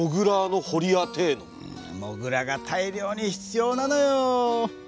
モグラが大量に必要なのよ。